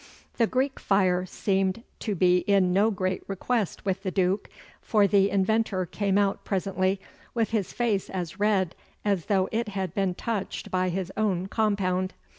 The Greek fire seemed to be in no great request with the Duke, for the inventor came out presently with his face as red as though it had been touched by his own compound.